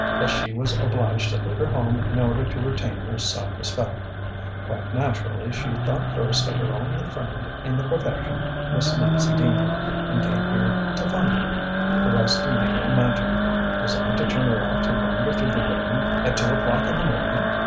that she was obliged to leave her home in order to retain her self respect. Quite naturally she thought first of her only friend in the profession, Miss Maizie Dean, and came here to find her. The rest you may imagine. Was I to turn her out to wander through the rain at two o'clock in the morning?